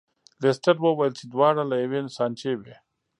لیسټرډ وویل چې دواړه له یوې سانچې وې.